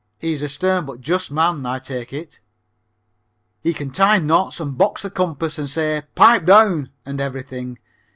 He is a stern but just man, I take it. He can tie knots and box the compass and say "pipe down" and everything.